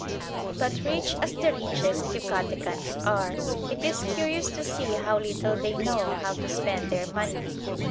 But rich as the richest Yucatecans are, it is curious to see how little they know how to spend their money.